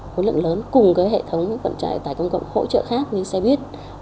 khối lượng lớn cùng hệ thống vận tải công cộng hỗ trợ khác như xe buýt